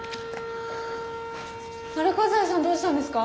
あれ西さんどうしたんですか？